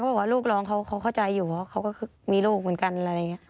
บอกว่าลูกร้องเขาเข้าใจอยู่เพราะเขาก็มีลูกเหมือนกันอะไรอย่างนี้